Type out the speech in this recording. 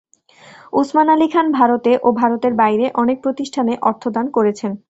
উসমান আলি খান ভারতে ও ভারতের বাইরে অনেক প্রতিষ্ঠানে অর্থ দান করেছেন।